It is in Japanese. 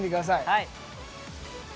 はい。